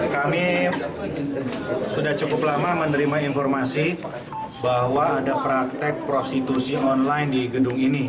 kami sudah cukup lama menerima informasi bahwa ada praktek prostitusi online di gedung ini